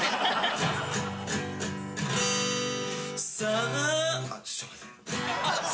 「さあ」